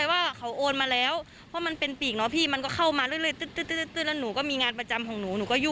ทั้งส่วนแล้วเขาก็ต้องพ่อสังเจมส์มาคือจะห้าโมงหรือหกโมงเนี่ย